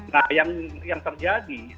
nah yang terjadi